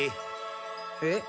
えっ？